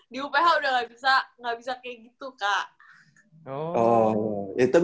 di uph udah gak bisa kayak gitu kak